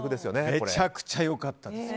めちゃくちゃ良かったです。